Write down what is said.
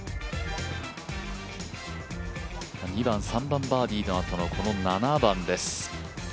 ２番、３番バーディーのあとのこの７番です。